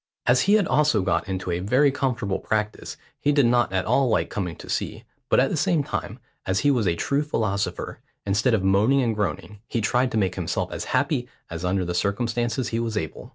As he had also got into a very comfortable practice, he did not at all like coming to sea, but at the same time, as he was a true philosopher, instead of moaning and groaning, he tried to make himself as happy as under the circumstances he was able.